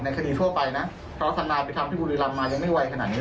คดีทั่วไปนะเพราะทนายไปทำที่บุรีรำมายังไม่ไวขนาดนี้